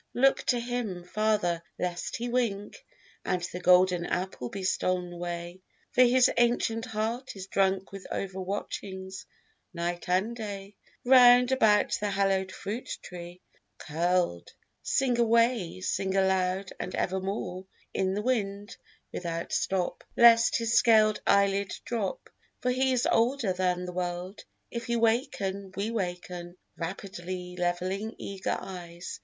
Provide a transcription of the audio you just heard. Look to him, father, lest he wink, and the golden apple be stol'n away, For his ancient heart is drunk with overwatchings night and day, Round about the hallowed fruit tree curled Sing away, sing aloud and evermore in the wind, without stop, Lest his scalèd eyelid drop, For he is older than the world. If he waken, we waken, Rapidly levelling eager eyes.